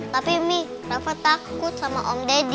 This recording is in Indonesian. tapi mie rafa takut sama om deddy